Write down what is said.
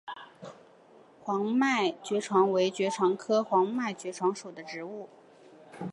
黄脉爵床为爵床科黄脉爵床属的植物。